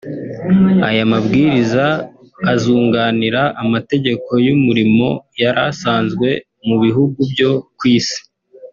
Aya mabwiriza azunganira amategeko y’umurimo yari asanzwe mu bihugu byo ku Isi